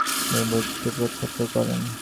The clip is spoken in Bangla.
তিনি বহির্জগৎ ও ক্ষুদ্র ব্রহ্মাণ্ড প্রত্যক্ষ করেন।